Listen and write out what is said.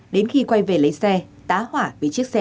đến khi quay về lấy xe tá hỏa bị chiếc xe máy